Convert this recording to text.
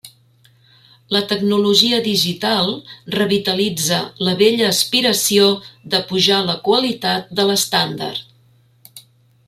La tecnologia digital revitalitza la vella aspiració de pujar la qualitat de l'estàndard.